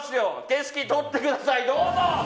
景色撮ってください、どうぞ。